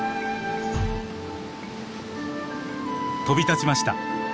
飛び立ちました！